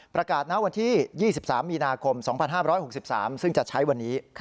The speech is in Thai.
ประกาศน้ำวันที่๒๓มีนาคม๒๕๖๓ซึ่งจัดใช้วันนี้